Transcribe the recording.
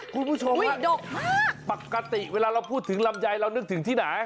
คุณผู้ชมปกติเวลาเราพูดถึงลำไยเรานึกถึงที่ไหน